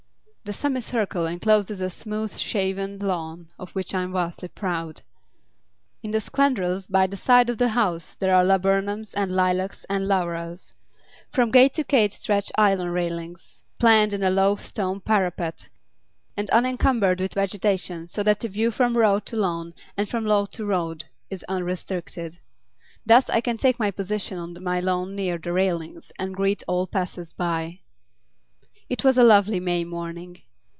The semicircle encloses a smooth shaven lawn of which I am vastly proud. In the spandrels by the side of the house are laburnums and lilacs and laurels. From gate to gate stretch iron railings, planted in a low stone parapet and unencumbered with vegetation, so that the view from road to lawn and from lawn to road is unrestricted. Thus I can take up my position on my lawn near the railings and greet all passers by. It was a lovely May morning.